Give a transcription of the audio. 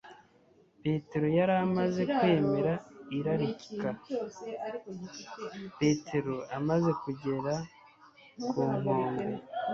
Petero yari amaze kwemera irarika. Petero amaze kugera ku nkombe,